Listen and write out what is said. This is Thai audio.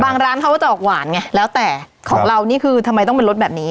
ร้านเขาก็จะออกหวานไงแล้วแต่ของเรานี่คือทำไมต้องเป็นรสแบบนี้